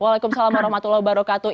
waalaikumsalam warahmatullahi wabarakatuh